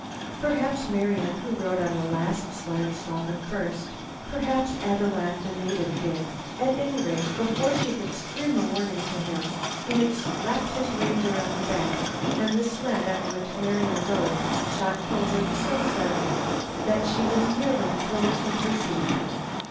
Perhaps Marian, who rode on the last sled, saw them first. Perhaps Ad loo at, the native, did. At any rate, before she could scream a warning to him he had slapped his reindeer on the back and the sled on which Marian rode shot forward so suddenly that she was nearly thrown from her seat.